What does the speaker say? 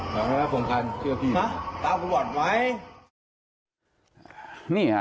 ทำไมท่านโฟงคันเชื่อพี่คราวผมอดไว้